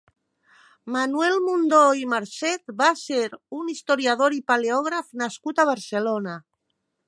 Manuel Mundó i Marcet va ser un historiador i paleògraf nascut a Barcelona.